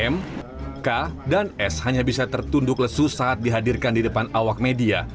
m k dan s hanya bisa tertunduk lesu saat dihadirkan di depan awak media